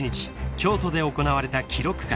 京都で行われた記録会］